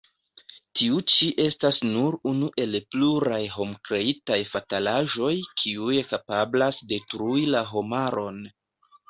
Tiu ĉi estas nur unu el pluraj homkreitaj fatalaĵoj, kiuj kapablas detrui la homaron.